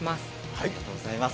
ありがとうございます。